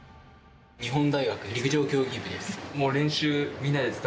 日本大学陸上競技部です。